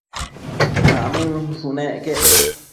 Mamënshunec quec